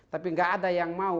tapi nggak ada yang mau